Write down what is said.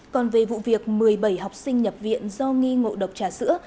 còn về vụ việc một mươi bảy học sinh nhập viện do nghi ngộ độc trả sữa